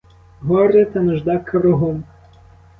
Горе та нужда кругом.